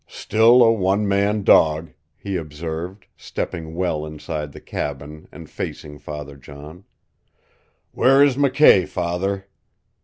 "Still a one man dog," he observed, stepping well inside the cabin, and facing Father John. "Where is McKay, Father?"